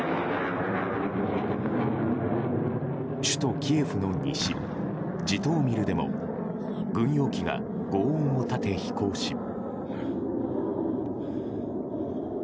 首都キエフの西ジトーミルでも軍用機が轟音を立て飛行し。